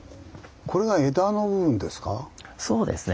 これが枝の部分ですか。